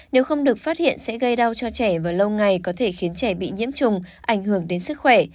nếu không được phát hiện sẽ gây đau cho trẻ và lâu ngày có thể khiến trẻ bị nhiễm trùng ảnh hưởng đến sức khỏe